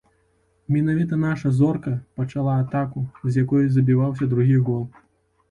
Менавіта наша зорка пачала атаку, з якой забіваўся другі гол.